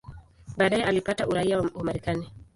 Baadaye alipata uraia wa Marekani.